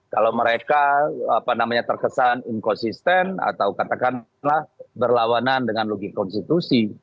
kalau mereka apa namanya terkesan inconsisten atau katakanlah berlawanan dengan logik konstitusi